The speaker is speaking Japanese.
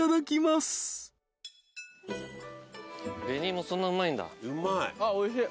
紅芋そんなうまいんだ。